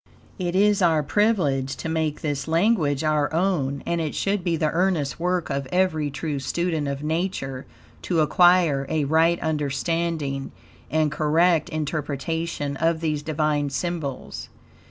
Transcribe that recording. It is our privilege to make this language our own, and it should be the earnest work of every true student of Nature to acquire a right understanding and correct interpretation of these Divine symbols.